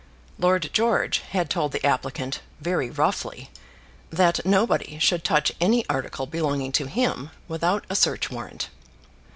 Lord George had told the applicant, very roughly, that nobody should touch any article belonging to him without a search warrant.